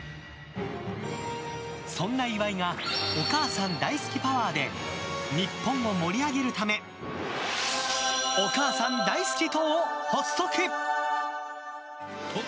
そんな岩井がお母さん大好きパワーで日本を盛り上げるためお母さん大好き党を発足。